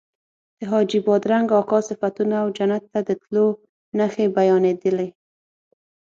د حاجي بادرنګ اکا صفتونه او جنت ته د تلو نښې بیانېدلې.